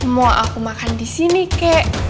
mau aku makan disini kek